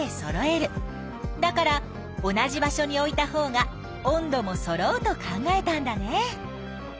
だから同じ場所に置いたほうが温度もそろうと考えたんだね。